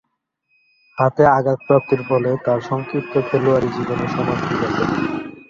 হাতে আঘাতপ্রাপ্তির ফলে তার সংক্ষিপ্ত খেলোয়াড়ী জীবনের সমাপ্তি ঘটে।